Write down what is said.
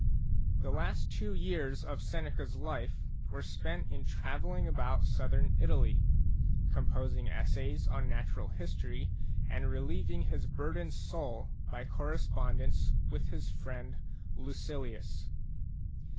The last two years of Seneca's life were spent in viii Digitized by INTRODUCTION travelling about southern Italy, composing essays on natural history and relieving his burdened soul by correspondence with his friend Lucilius.